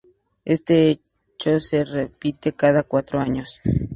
Este hecho se repite cada cuatro años.